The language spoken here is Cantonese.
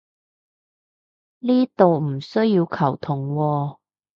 呢度唔需要球僮喎